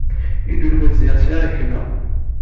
Yennulfa-d ziɣ sɛiɣ gma.